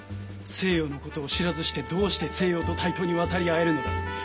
西洋のことを知らずしてどうして西洋と対等に渡り合えるのだ。